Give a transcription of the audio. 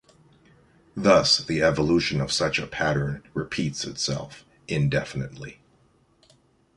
Thus the evolution of such a pattern repeats itself indefinitely.